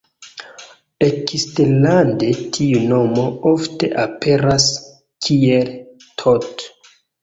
Eksterlande tiu nomo ofte aperas kiel Tot.